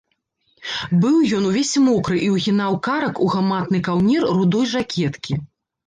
Быў ён увесь мокры і ўгінаў карак у гаматны каўнер рудой жакеткі.